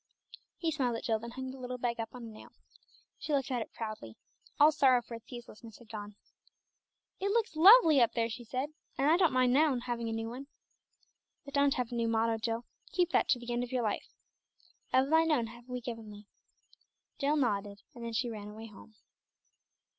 He smiled at Jill, then hung the little bag up on a nail. She looked at it proudly. All sorrow for its uselessness had gone. "It looks lovely up there!" she said. "And I don't mind now having a new one." "But don't have a new motto, Jill. Keep that to the end of your life 'Of Thine own have we given Thee.'" Jill nodded, and then she ran away home.